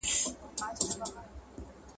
ویره مو په تجربه بدله کړئ.